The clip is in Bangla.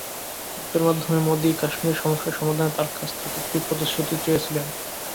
দূতের মাধ্যমে মোদি কাশ্মীর সমস্যা সমাধানে তাঁর কাছ থেকে একটি প্রতিশ্রুতি চেয়েছিলেন।